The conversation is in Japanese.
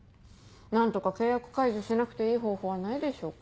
何とか契約解除しなくていい方法はないでしょうか？